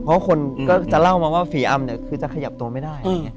เพราะคนก็จะเล่ามาว่าฝีอำเนี่ยคือจะขยับตัวไม่ได้